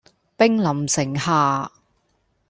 兵臨城下